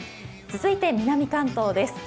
続いて南関東です。